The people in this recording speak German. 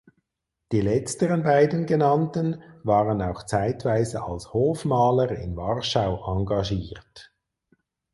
Die letzteren beiden Genannten waren auch zeitweise als Hofmaler in Warschau engagiert.